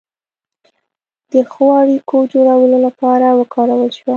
د ښو اړیکو جوړولو لپاره وکارول شوه.